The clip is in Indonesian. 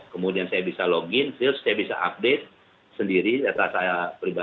kemudian saya bisa login sils saya bisa update sendiri data saya pribadi